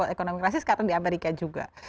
ekonomi krisis sekarang di amerika juga